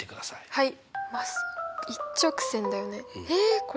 はい。